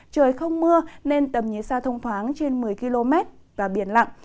trời không mưa nên tầm nhế xa thông thoáng trên một mươi km và biển lặng